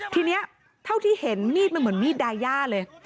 ทีนี้เท่าที่เห็นมีดมันเหมือนมีดดายาเลย